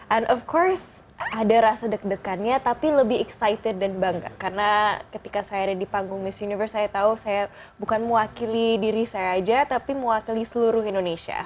un of course ada rasa deg degannya tapi lebih excited dan bangga karena ketika saya ada di panggung miss universe saya tahu saya bukan mewakili diri saya aja tapi mewakili seluruh indonesia